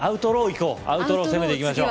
こうアウトロー攻めていきましょう